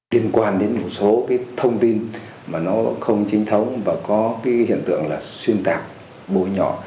điên quan đến một số thông tin mà nó không chính thống và có hiện tượng là xuyên tạc bối nhỏ